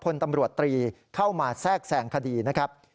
พลตำรวจตรีเข้ามาแทรกแสงคดีนะครับ